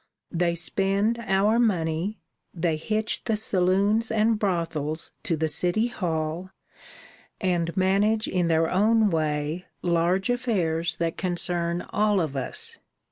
They spend our money; they hitch the saloons and brothels to the city hall, and manage in their own way large affairs that concern all of us.